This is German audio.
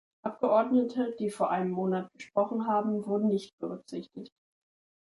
Abgeordnete die vor einem Monat gesprochen haben, wurden nicht berücksichtigt.